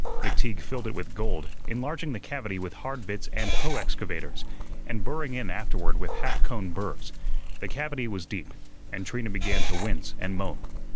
McTeague filled it with gold, enlarging the cavity with hard bits and hoe excavators, and burring in afterward with half cone burrs. The cavity was deep, and Trina began to wince and moan.